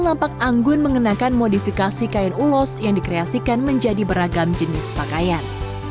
lampak anggun mengenakan modifikasi kain ulos yang dikreasikan menjadi beragam jenis pakaian